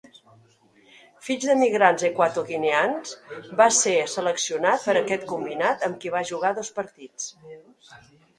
Fills d'emigrants equatoguineans, va ser seleccionat per aquest combinat, amb qui va jugar dos partits.